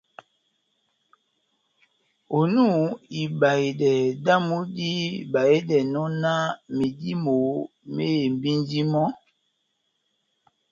Onu, ibahedɛ dámu díbahedɛnɔ náh medímo mehembindini mɔ́,